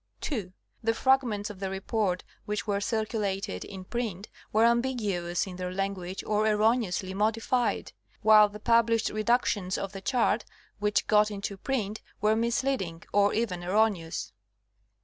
(2) The fragments of the Report which were circulated in print were ambiguous in their language or erroneously modified ; while the published reductions of the chart which got into print were misleading, or even erroneous.